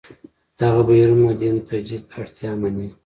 دغه بهیرونه دین تجدید اړتیا مني.